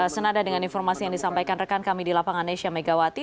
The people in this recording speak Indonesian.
senada dengan informasi yang disampaikan rekan kami di lapangan nesya megawati